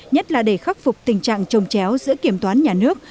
nhất là để khắc phục tình trạng trông chéo giữa kiểm toán nhà nước